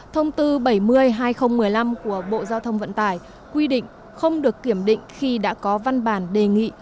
thông tư bảy mươi hai nghìn một mươi năm của bộ giao thông vận tải quy định không được kiểm định khi đã có văn bản đề nghị